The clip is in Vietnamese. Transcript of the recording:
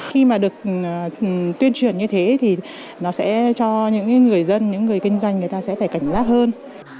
khi mà được tuyên truyền như thế thì nó sẽ cho những người dân những người kinh doanh người ta sẽ phải cảnh giác hơn